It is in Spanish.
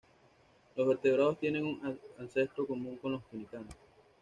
Los vertebrados tienen un ancestro común con los tunicados.